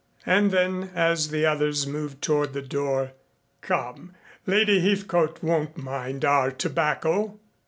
And then as the others moved toward the door: "Come, Lady Heathcote won't mind our tobacco."